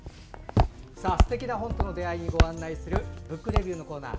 すてきな本との出会いをご案内する「ブックレビュー」のコーナー。